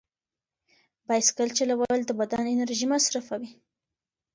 بایسکل چلول د بدن انرژي مصرفوي.